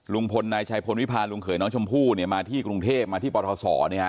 ลุงพลนายชัยพลวิพาลุงเขยน้องชมพู่มาที่กรุงเทพมาที่ปทศ